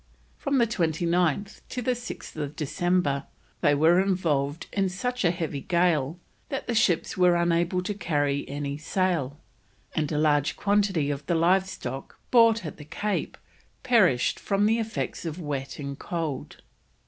From the 29th till 6th December they were involved in such a heavy gale that the ships were unable to carry any sail, and a large quantity of the live stock bought at the Cape perished from the effects of wet and cold.